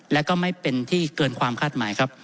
และไม่เกินเป็นที่ความคาดหมาย